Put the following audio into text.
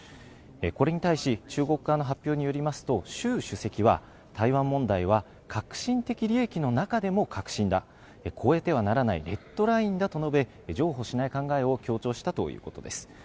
これに対し中国側の発表によりますと習主席は、台湾問題は核心的利益の中でも核心だ、超えてはならないレッドラインだと述べ譲歩しない考えを強調したということです。